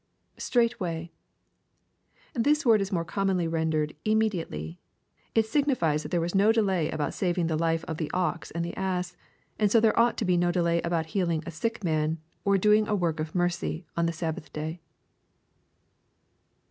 [Straightway,] This word is more commonly rendered " imme diately." It signifies that there was no delay about saving the life of the ox and the ass, and so there ought to be nc delay about healiug a sick man, or doing a work of mercy on the Sabbath 152 EXPOSITORY THOUGHTS.